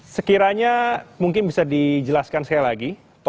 sekiranya mungkin bisa dijelaskan sekali lagi